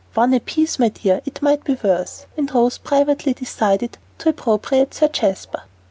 "One apiece, my dear, it might be worse." And Rose privately decided to appropriate Sir Jasper.